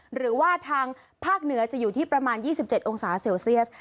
หรือว่าทางภาคเหนือจะอยู่ที่ประมาณ๒๗องศาเซลเซียส